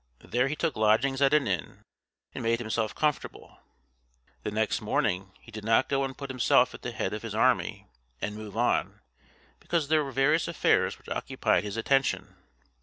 There he took lodgings at an inn, and made himself comfortable. The next morning he did not go and put himself at the head of his army and move on, because there were various affairs which occupied his attention.